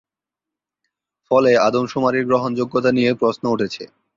ফলে আদমশুমারির গ্রহণযোগ্যতা নিয়ে প্রশ্ন উঠেছে।